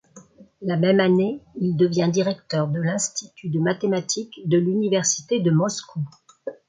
La même année, il devient directeur de l'Institut de mathématiques de l'université de Moscou.